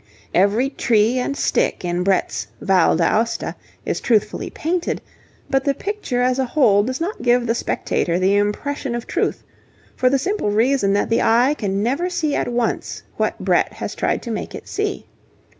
Every tree and stick in Brett's 'Val d'Aosta' is truthfully painted, but the picture as a whole does not give the spectator the impression of truth, for the simple reason that the eye can never see at once what Brett has tried to make it see.